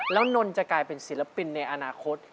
แล้วนนท์จะกลายเป็นศิลปินในอนาคต